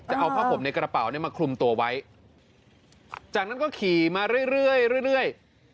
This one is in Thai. จะเอาผ้าผมในกระเป๋าเนี่ยมาคลุมตัวไว้จากนั้นก็ขี่มาเรื่อยเรื่อย